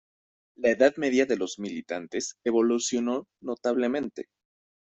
La edad media de los militantes evolucionó notablemente.